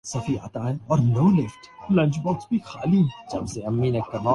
آسان پر بادل چھاۓ ہوۓ ہیں